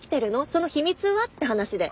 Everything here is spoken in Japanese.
その秘密は？って話で。